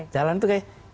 jalan itu kayak